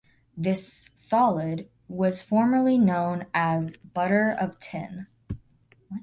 This solid was formerly known as "butter of tin".